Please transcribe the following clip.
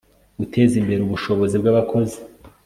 guteza imbere ubushobozi bw'abakozi